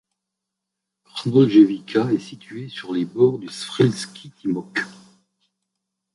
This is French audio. Crnoljevica est située sur les bords du Svrljiški Timok.